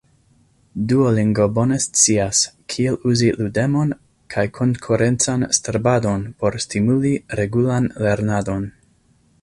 Duolingo bone scias, kiel uzi ludemon kaj konkurencan strebadon por stimuli regulan lernadon.